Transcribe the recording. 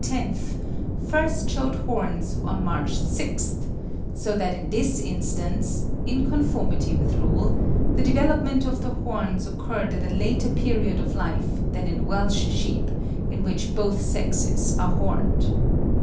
10th, first shewed horns on March 6th, so that in this instance, in conformity with rule, the development of the horns occurred at a later period of life than in Welsh sheep, in which both sexes are horned.)